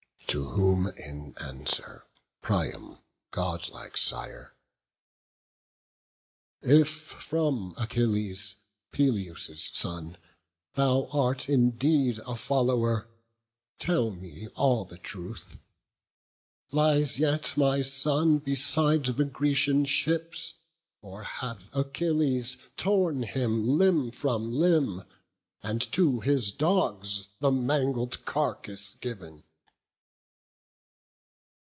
To whom in answer Priam, godlike sire: "If of Achilles, Peleus' son, thou art Indeed a follower, tell me all the truth; Lies yet my son beside the Grecian ships, Or hath Achilles torn him limb from limb, And to his dogs the mangled carcase giv'n?"